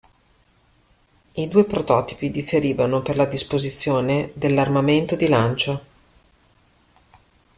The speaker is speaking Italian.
I due prototipi differivano per la disposizione del'armamento di lancio.